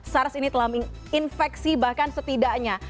sars ini telah infeksi bahkan setidaknya